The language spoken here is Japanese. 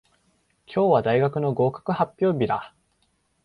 今日は大学の合格発表日だ。